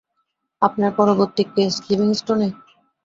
আপনার পরবর্তী কেস লিভিংস্টনে?